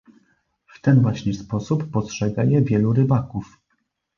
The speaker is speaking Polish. W ten właśnie sposób postrzega je wielu rybaków